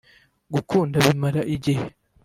Gukunda bimara igihe